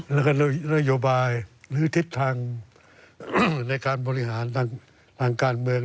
แล้วก็นโยบายหรือทิศทางในการบริหารทางการเมือง